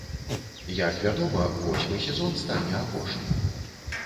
Як вядома, восьмы сезон стане апошнім.